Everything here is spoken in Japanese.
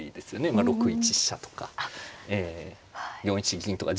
まあ６一飛車とか４一銀とか。